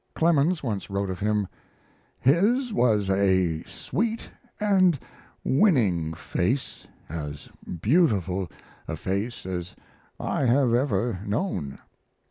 Clemens once wrote of him: His was a sweet and winning face, as beautiful a face as I have ever known.